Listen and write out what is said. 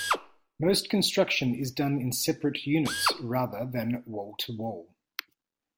Most construction is done in separate units, rather than wall-to-wall.